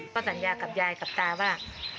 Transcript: ก็สัญญากับยายกับตาว่า